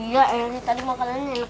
ya ini tadi makanannya enak banget